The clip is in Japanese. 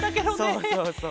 そうそうそう。